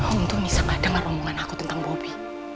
untung nisa gak dengar omongan aku tentang bobby